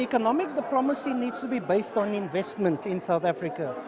ekonomi kita harus berdasarkan pengembangan di south africa